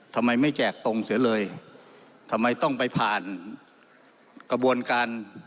ทำไมไม่แจกตรงเสียเลยทำไมต้องไปผ่านกระบวนการ